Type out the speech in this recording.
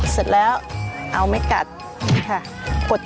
เสร็จแล้วเอาไม่กัดค่ะ